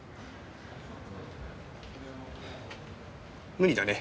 無理だね。